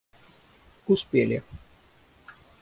успели